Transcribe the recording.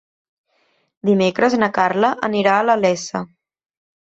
Dimecres na Carla anirà a la Iessa.